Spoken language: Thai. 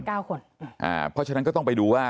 เพราะฉะนั้นก็ต้องไปดูว่า